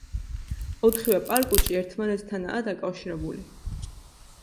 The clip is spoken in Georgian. ოთხივე პარკუჭი ერთმანეთთანაა დაკავშირებული.